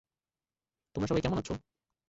তোমরা সবাই কেমন আছ?